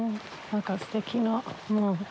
何かすてきな門。